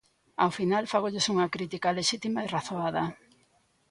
Ao final fágolles unha crítica lexítima e razoada.